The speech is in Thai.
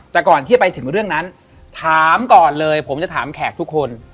แต่ก่อนที่ไปถึงเรื่องนั้นถามก่อนเลยผมจะถามแขกทุกคน